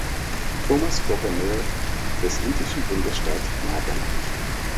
Thomas Gouverneur des indischen Bundesstaates Nagaland.